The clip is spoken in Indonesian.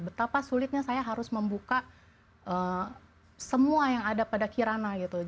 betapa sulitnya saya harus membuka semua yang ada pada kirana gitu